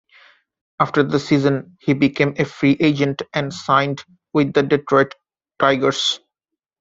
After the season, he became a free agent and signed with the Detroit Tigers.